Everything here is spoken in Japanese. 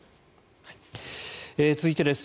続いてです。